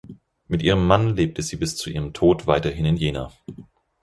Mit ihrem Mann lebte sie bis zu ihrem Tod weiterhin in Jena.